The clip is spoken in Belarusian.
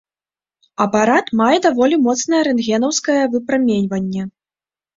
Апарат мае даволі моцнае рэнтгенаўскае выпраменьванне.